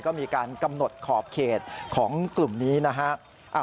ก็มีการกำหนดขอบเขตของกลุ่มนี้นะฮะ